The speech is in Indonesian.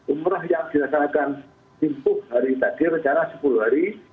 umroh yang dirasakan sepuluh hari tadi recara sepuluh hari